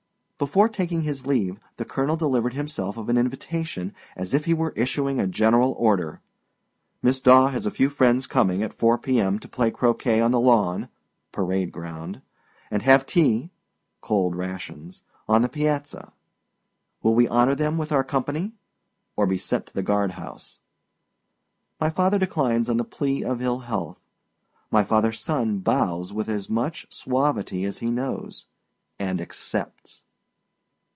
Before taking his leave, the colonel delivered himself of an invitation as if he were issuing a general order. Miss Daw has a few friends coming, at 4 p.m., to play croquet on the lawn (parade ground) and have tea (cold rations) on the piazza. Will we honor them with our company? (or be sent to the guard house.) My father declines on the plea of ill health. My fatherâs son bows with as much suavity as he knows, and accepts.